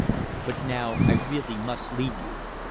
But now I really must leave you.